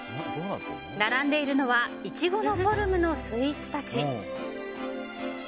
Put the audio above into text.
並んでいるのはイチゴのフォルムのスイーツたち。